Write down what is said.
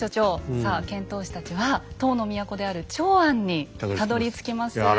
さあ遣唐使たちは唐の都である長安にたどりつきます。